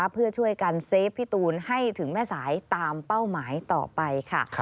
เพื่อช่วยกันเซฟพี่ตูนให้ถึงแม่สายตามเป้าหมายต่อไปค่ะ